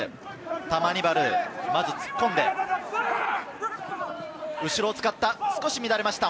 タマニバル、突っ込んで、後ろを使った。